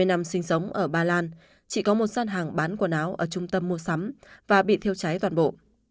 hai mươi năm sinh sống ở ba lan chỉ có một gian hàng bán quần áo ở trung tâm mua sắm và bị thiêu cháy toàn bộ